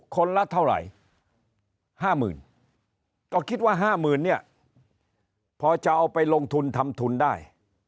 คนละเท่าไหร่๕๐๐๐ก็คิดว่า๕๐๐๐เนี่ยพอจะเอาไปลงทุนทำทุนได้